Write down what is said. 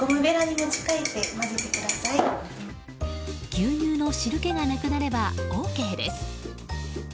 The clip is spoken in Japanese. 牛乳の汁気がなくなればＯＫです。